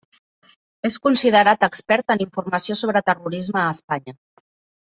És considerat expert en informació sobre terrorisme a Espanya.